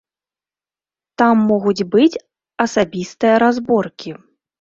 Там могуць быць асабістыя разборкі.